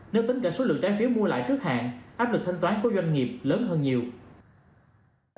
nếu tính cả số lượng trái phiếu mua lại trước hạn áp lực thanh toán của doanh nghiệp lớn hơn nhiều